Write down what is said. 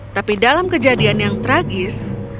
tapi dalam kejadian yang tragis